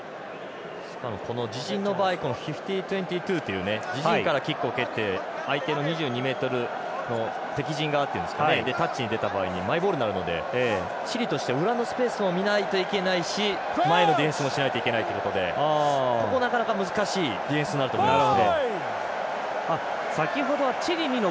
自陣の場合フィフティトゥウェンティツーっていうキックを蹴って相手の２２ｍの敵陣側でタッチに出た場合にマイボールになるのでチリとして裏のスペースを見ないといけないし前の厳守もしないといけないということでここ、なかなか難しいディフェンスになると思います。